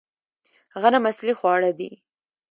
غنم اصلي خواړه دي